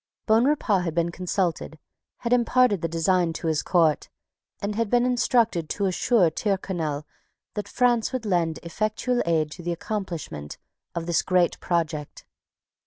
Bonrepaux had been consulted, had imparted the design to his court, and had been instructed to assure Tyrconnel that France would lend effectual aid to the accomplishment of this great project.